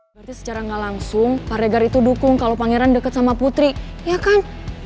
berarti secara gak langsung paregar itu dukung kalau pangeran deket sama putri ya kan